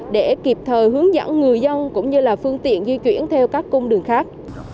để kịp thời hướng dẫn người dân cũng như là phương tiện di chuyển theo các cung đường khác